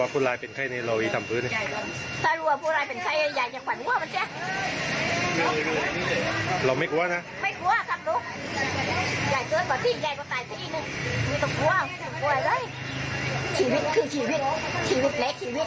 ไม่ต้องกลัวไม่ต้องกลัวอะไรชีวิตคือชีวิตชีวิตแรกชีวิต